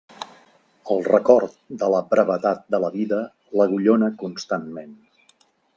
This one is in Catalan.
El record de la brevetat de la vida l'agullona constantment.